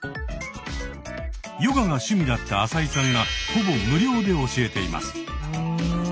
ヨガが趣味だった浅井さんがほぼ無料で教えています。